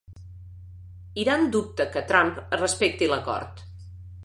Iran dubta que Trump respecti l'acord